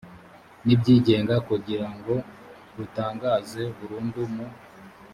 n ibyigenga kugirango rutangaze burundu mu